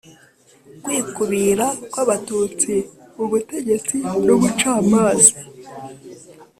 Kwikubira kw Abatutsi mu butegetsi n ubucamaza